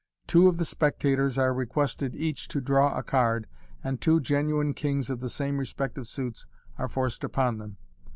Two of the spectators are re quested each to draw a card, and two genuine kings of the same respective suits are forced upon them.